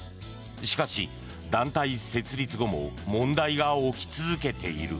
しかし、団体設立後も問題が起き続けている。